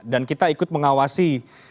dan kita ikut mengawasi